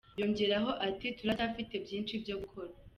Yongeyeho ati “Turacyafite byinshi byo gukora.